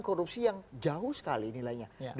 korupsi yang jauh sekali nilainya